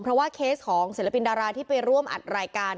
เพราะว่าเคสของศิลปินดาราที่ไปร่วมอัดรายการ